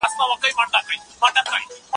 زه مخکي پلان جوړ کړی وو.